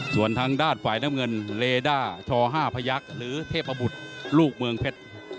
ส่วนทางด้านฝ่ายน้ำเงินเลด้าช๕พยักษ์หรือเทพบุตรลูกเมืองเพชร